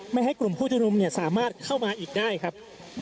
ไม่ให้กลุ่มผู้ชมนุมสามารถเข้ามาอีกได้ครับ